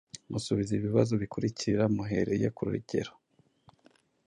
Musubize ibibazo bikurikira muhereye ku rugero